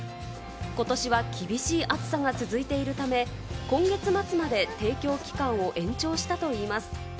ことしは厳しい暑さが続いているため、今月末まで提供期間を延長したといいます。